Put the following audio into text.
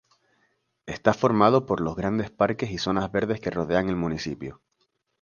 Está formado por los grandes parques y zonas verdes que rodean el municipio.